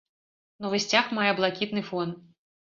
Новы сцяг мае блакітны фон.